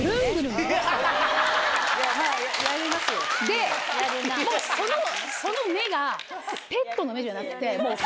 でもうその目がペットの目じゃなくてもう。